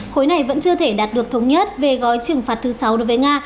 khối này vẫn chưa thể đạt được thống nhất về gói trừng phạt thứ sáu đối với nga